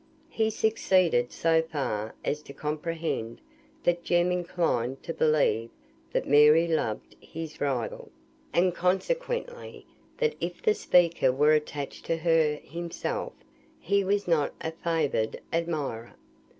He succeeded so far as to comprehend that Jem inclined to believe that Mary loved his rival; and consequently, that if the speaker were attached to her himself, he was not a favoured admirer.